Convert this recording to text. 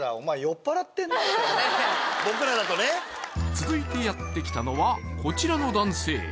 僕らだとね続いてやってきたのはこちらの男性